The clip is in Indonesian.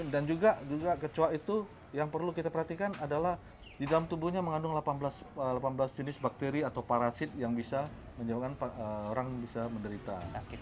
dan juga kecoak itu yang perlu kita perhatikan adalah di dalam tubuhnya mengandung delapan belas jenis bakteri atau parasit yang bisa menyebabkan orang bisa menderita